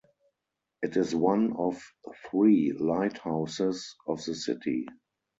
It is one of three lighthouses of the city.